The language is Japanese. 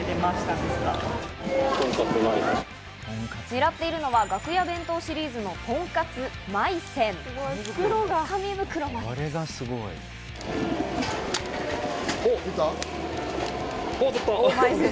狙っているのは楽屋弁当シリーズの「とんかつまい泉」。